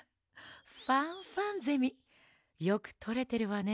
ファンファンゼミよくとれてるわね。